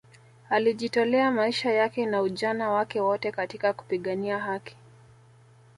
alijitolea maisha yake na ujana wake wote katika kupigania haki